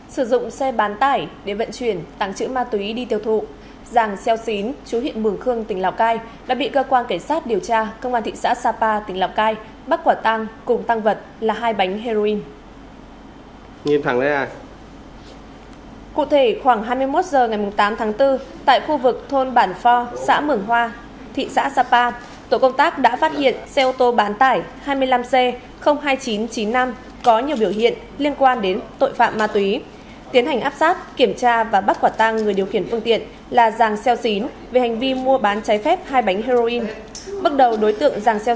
sử dụng xe bán tải để vận chuyển tăng chữ ma túy đi tiêu thụ ràng xeo xín chú hiện mường khương tỉnh lào cai đã bị cơ quan kể sát điều tra công an thị xã sapa tỉnh lào cai bắt quả tăng cùng tăng vật là hai bánh heroin